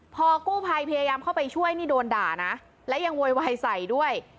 พอกู้ภัยพยายามเข้าไปช่วยนี่โดนด่านะและยังโวยวายใส่ด้วย